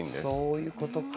そういうことか。